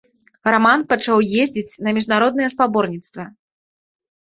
Раман пачаў ездзіць на міжнародныя спаборніцтвы.